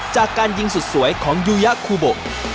จากการยิงสุดสวยของยูยะคูโบ